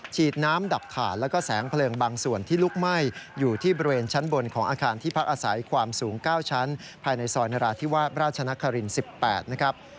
ฉีดน้ำดับฐานแล้วก็แสงเพลิงบางส่วนที่ลุกไหม้อยู่ที่บริเวณชั้นบนของอาคารที่พักอาศัยความสูง๙ชั้นภายในซอยนราธิวาสราชนคริน๑๘นะครับ